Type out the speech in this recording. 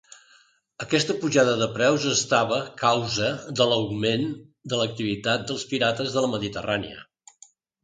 Aquesta pujada de preus estava causa de l'augment de l'activitat dels pirates de la Mediterrània.